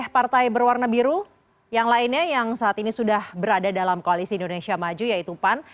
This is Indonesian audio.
partai berwarna biru yang lainnya yang saat ini sudah berada dalam koalisi indonesia maju yaitu pan